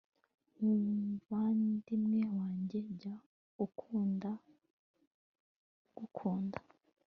muvandimwe wanjye jya ukunda ugukunda